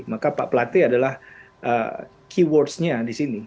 maka pak platte adalah key wordsnya di sini